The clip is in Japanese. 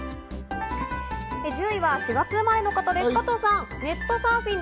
１０位は４月生まれの方です、加藤さん。